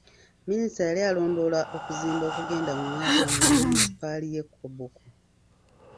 Minisita yali alondoola okuzimba okugenda mu maaso mu munisipaali y'e Koboko.